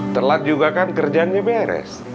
telat juga kan kerjanya beres